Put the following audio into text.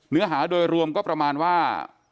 เนื้อหาโดยรวมก็ประมาณว่า